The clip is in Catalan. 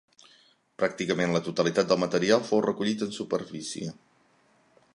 Pràcticament la totalitat del material fou recollit en superfície.